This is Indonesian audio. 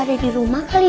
air terbaru mimpi